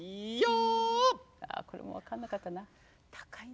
これも分かんなかったな。